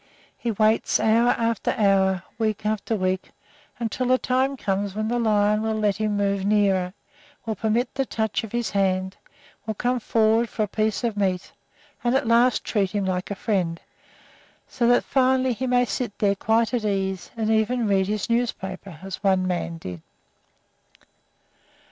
He waits hour after hour, week after week, until a time comes when the lion will let him move nearer, will permit the touch of his hand, will come forward for a piece of meat, and at last treat him like a friend, so that finally he may sit there quite at ease, and even read his newspaper, as one man did.